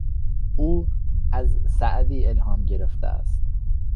او از سعدی الهام گرفته است.